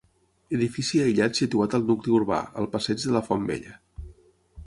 Edifici aïllat situat al nucli urbà, al passeig de la Font Vella.